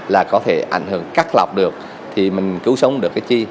là có thể ảnh hưởng cắt lọc được thì mình cứu sống được cái chi